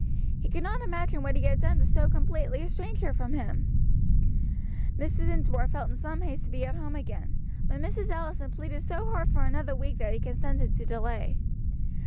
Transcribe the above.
He could not imagine what he had done to so completely estrange her from him. Mr. Dinsmore felt in some haste to be at home again, but Mrs. Allison pleaded so hard for another week that he consented to delay.